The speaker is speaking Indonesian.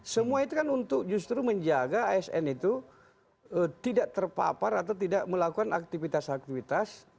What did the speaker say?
semua itu kan untuk justru menjaga asn itu tidak terpapar atau tidak melakukan aktivitas aktivitas